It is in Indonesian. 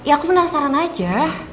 aku penasaran aja